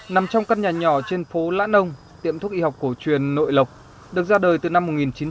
nằm trong căn nhà nhỏ trên phố lãn ông tiệm thuốc y học cổ truyền nội lộc được ra đời từ năm một nghìn chín trăm linh